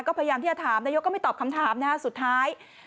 ก็พยายามที่จะถามนายกก็ไม่ตอบคำถามนะฮะสุดท้าย